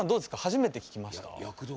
初めて聴きました？